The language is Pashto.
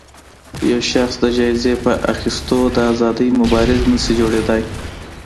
يو شخص د جايزې په اخیستو د ازادۍ مبارز نه شي جوړېدای